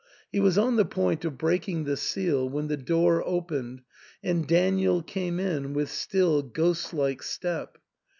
He was on the point of breaking the seal when the door opened and Daniel came in with still, ghostlike step.